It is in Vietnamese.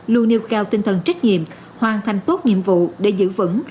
luôn nêu cao tinh thần trách nhiệm hoàn thành tốt nhiệm vụ để giữ vững